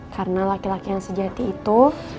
karena laki laki yang sejati itu